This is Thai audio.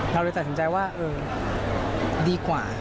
เราเลยตัดสินใจว่าดีกว่า